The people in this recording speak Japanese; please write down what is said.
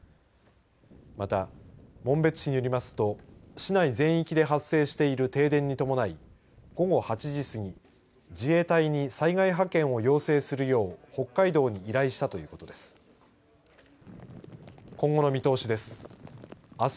また、紋別市によりますと市内全域で発生している停電に伴い午後８時過ぎ、自衛隊に災害派遣を要請するよう北海道に依頼したということです。